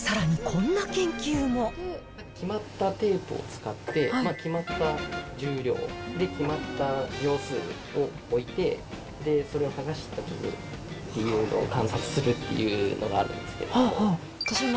決まったテープを使って、決まった重量で決まった秒数を置いて、それを剥がしたときの観察するっていうのがあるんですけれども。